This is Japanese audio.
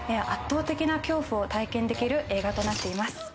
圧倒的な恐怖を体験できる映画となっています。